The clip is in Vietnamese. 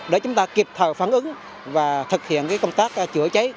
để chúng ta kịp thời phản ứng và thực hiện công tác chữa cháy